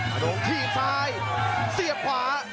หาดงทีดทรายเสียบขวา